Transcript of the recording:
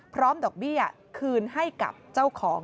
ดอกเบี้ยคืนให้กับเจ้าของ